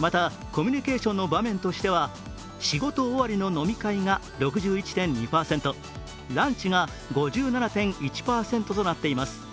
また、コミュニケーションの場面としては仕事終わりの飲み会が６１．２％、ランチが５７．１％となっています。